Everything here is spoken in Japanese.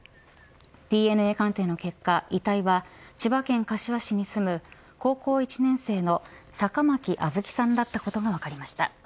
ＤＮＡ鑑定の結果、遺体は千葉県柏市に住む高校１年生の坂巻杏月さんだったことが分かりました。